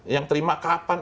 yang terima kapan